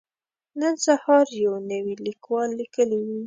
نن سهار يو نوي ليکوال ليکلي وو.